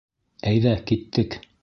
Әйҙә, киттек.